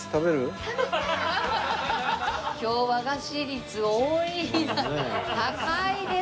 今日和菓子率多い日高いですね徳さん。